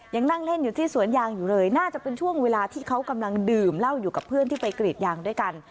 ยังนั่งเล่นอยู่ที่สวนยางอยู่เลยน่าจะเป็นช่วงเวลาที่เขากำลังดื่มเหล้าอยู่กับเพื่อนที่ไปกรีดยางด้วยกัน